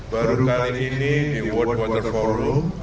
baru kali ini world water forum